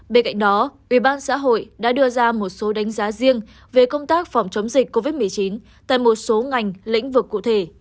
bên cạnh đó ủy ban xã hội đã đưa ra một số đánh giá riêng về công tác phòng chống dịch covid một mươi chín tại một số ngành lĩnh vực cụ thể